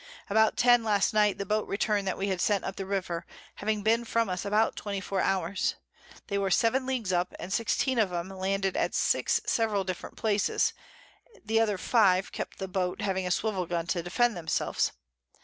About 10 last Night the Boat return'd that we had sent up the River, having been from us about 24 Hours; they were 7 Leagues up, and 16 of 'em landed at 6 several Places, the other 5 kept the Boat, having a Swivel Gun to defend themselves.